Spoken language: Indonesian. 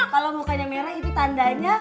kalau mukanya merah itu tandanya